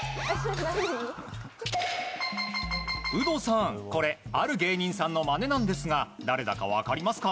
有働さん、これある芸人さんのまねなんですが誰だか分かりますか？